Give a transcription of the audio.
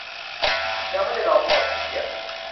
ยังไม่ได้ลองถอด ขี้เกียจ